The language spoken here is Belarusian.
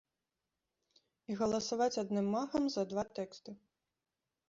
І галасаваць адным махам за два тэксты.